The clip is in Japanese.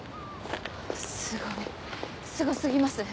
すごいすご過ぎます。